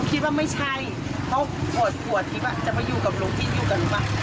คิดว่าไม่ใช่เพราะผัวทิศจะไปอยู่กับรุ้งที่อยู่กันหรือเปล่า